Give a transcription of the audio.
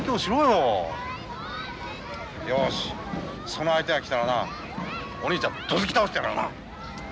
よしその相手が来たらなお兄ちゃんどつき倒してやるからな！